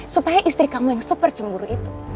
supaya istri kamu yang super cemburu itu